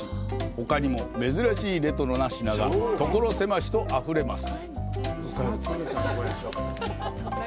ほかにも珍しいレトロな品が所狭しとあふれます。